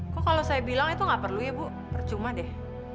kok kalau saya bilang itu nggak perlu ya bu percuma deh